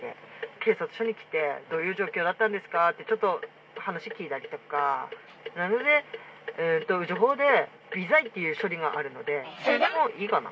警察署に来て、どういう状況だったんですかって、話聞いたりとか、なので、うちのほうで微罪っていう処理があるので、それでもいいかな？